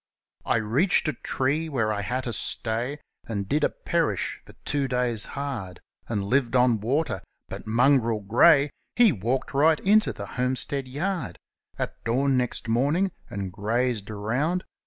I reached a tree, where I had to stay, And did a perish for two days' hard; And lived on water — but Mongrel Grey, He walked right into the homestead yard At dawn next morninfi;, and grazed around.